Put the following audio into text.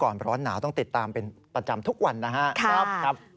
ก่อนร้อนหนาวต้องติดตามเป็นประจำทุกวันนะครับ